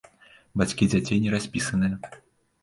Бацькі дзяцей не распісаныя.